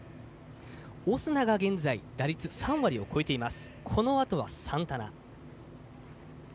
現在、打率３割を超えています。